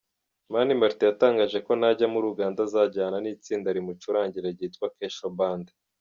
Mani Martin yatangaje ko najya muri Uganda azajyana n’itsinda rimucurangira ryitwa “Kesho Band”.